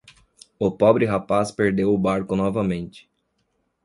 O pobre rapaz perdeu o barco novamente.